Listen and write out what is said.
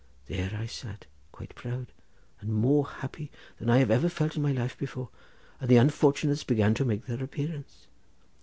There I sat, quite proud, and more happy than I had ever felt in my life before; and the unfortunates began to make their appearance.